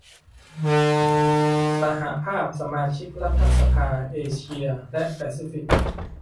สหภาพสมาชิกรัฐสภาเอเชียและแปซิฟิก